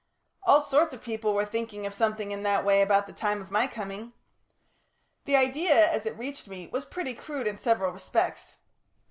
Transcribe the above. All sorts of people were thinking of something in that way about the time of my coming. The idea, as it reached me, was pretty crude in several respects.